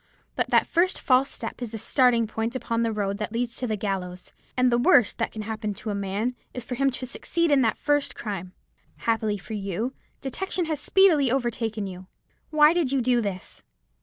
But that first false step is the starting point upon the road that leads to the gallows; and the worst that can happen to a man is for him to succeed in his first crime. Happily for you, detection has speedily overtaken you. Why did you do this?'